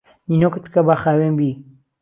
نینۆکت بکە با خاوێن بی